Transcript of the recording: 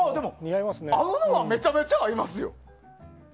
合うのはめちゃめちゃ合いますよ。